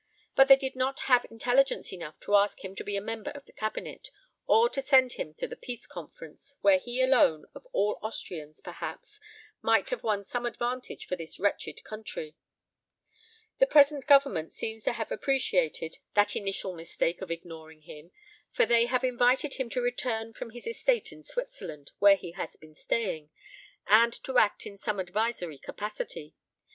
But they did not have intelligence enough to ask him to be a member of the Cabinet, or to send him to the Peace Conference, where he alone, of all Austrians, perhaps, might have won some advantage for this wretched country. "The present Government seems to have appreciated that initial mistake of ignoring him, for they have invited him to return from his estate in Switzerland, where he has been staying, and to act in some advisory capacity.